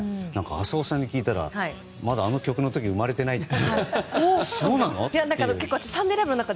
浅尾さんに聞いたらまだあの曲の時生まれてないって。